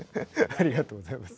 ありがとうございます。